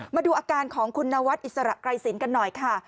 มาดูอาการของคุณนวัดอิสระไกรสินกันหน่อยค่ะ